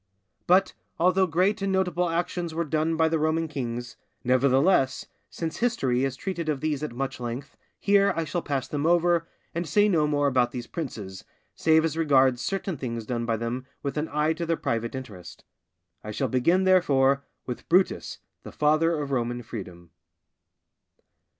But, although great and notable actions were done by the Roman kings, nevertheless, since history has treated of these at much length, here I shall pass them over, and say no more about these princes, save as regards certain things done by them with an eye to their private interest. I shall begin, therefore, with Brutus, the father of Roman freedom.